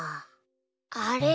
あれ？